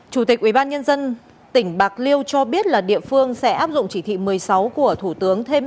chủ tịch ubnd tỉnh bạc liêu cho biết là địa phương sẽ áp dụng chỉ thị một mươi sáu của thủ tướng thêm